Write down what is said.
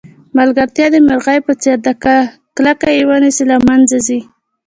ملګرتیا د مرغۍ په څېر ده که کلکه یې ونیسئ له منځه ځي.